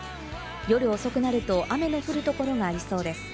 夜遅くなると雨の降るところがありそうです。